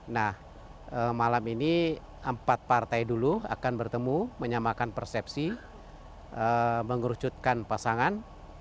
nah malam ini empat partai dulu akan bertemu menyamakan persepsi mengerucutkan pasangan